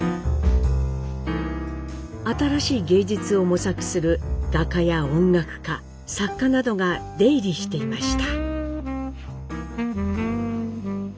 新しい芸術を模索する画家や音楽家作家などが出入りしていました。